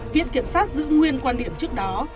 viện kiểm soát giữ nguyên quan điểm trước đó